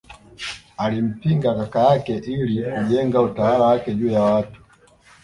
Alimpinga kaka yake ili kujenga utawala wake juu ya watu